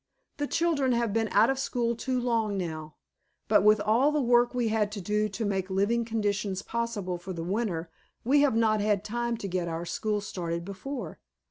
The children have been out of school too long now, but with all the work we had to do to make living conditions possible for the winter we have not had time to get our school started before.